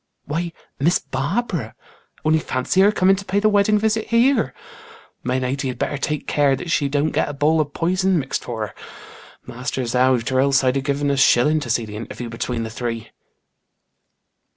"Why, Miss Barbara. Only fancy her coming to pay the wedding visit here. My lady had better take care that she don't get a bowl of poison mixed for her. Master's out or else I'd have given a shilling to see the interview between the three."